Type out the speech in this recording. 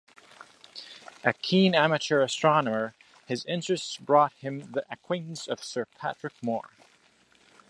A keen amateur astronomer, his interests brought him the acquaintance of Sir Patrick Moore.